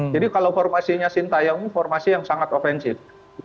jadi kalau formasinya sintayong ini formasi yang sangat offensive